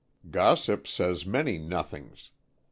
"Gossip says many nothings.